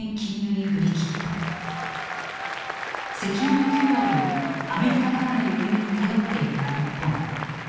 石油の９割をアメリカからの輸入に頼っていた日本。